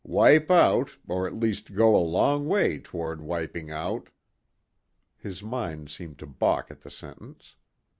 "Wipe out, or at least go a long way toward wiping out...." His mind seemed to balk at the sentence.